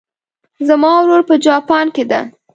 زما ورور په جاپان کې ده